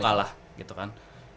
satu kalah gitu kan